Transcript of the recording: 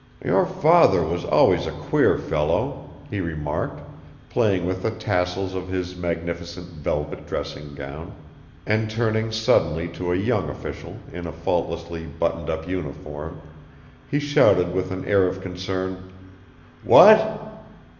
"Your father was always a queer fellow," he remarked, playing with the tassels of his magnificent velvet dressing gown, and turning suddenly to a young official in a faultlessly buttoned up uniform, he shouted with an air of concern, "What?"